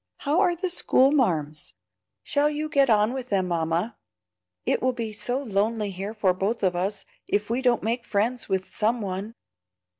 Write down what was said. How are the school marms? shall you get on with them, Mamma? It will be so lonely here for us both, if we don't make friends with some one."